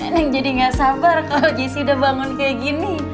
yang jadi gak sabar kalau gisi udah bangun kayak gini